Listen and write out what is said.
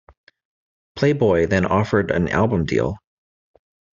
Playboy then offered an album deal.